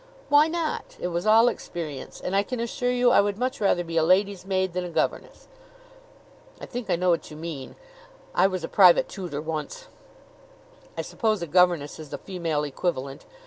"Why not? It was all experience; and I can assure you I would much rather be a lady's maid than a governess." "I think I know what you mean. I was a private tutor once. I suppose a governess is the female equivalent.